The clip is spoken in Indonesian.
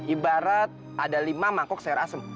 ibarat ada lima mangkok sayur asem